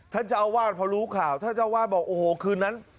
ท่านเจ้าอาวาสพอรู้ข่าวท่านเจ้าวาดบอกโอ้โหคืนนั้น